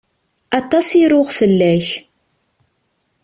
Aṭas i ruɣ fell-ak.